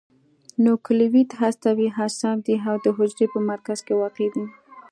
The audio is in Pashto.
نوکلوئید هستوي اجسام دي او د حجرې په مرکز کې واقع دي.